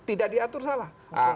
tidak diatur salah